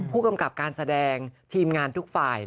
ผู้กำกับการแสดงทีมงานทุกฝ่าย